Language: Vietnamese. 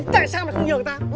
tại sao mày không nhường tao